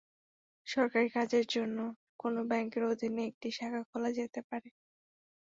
সরকারি কাজের জন্য কোনো ব্যাংকের অধীনে একটি শাখা খোলা যেতে পারে।